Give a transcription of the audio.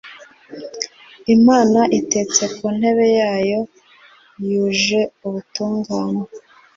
imana itetse ku ntebe yayo yuje ubutungane